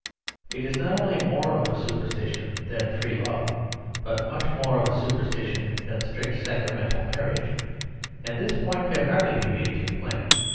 It is not only more of a superstition than free love, but much more of a superstition than strict sacramental marriage ; and this point can hardly be made too plain.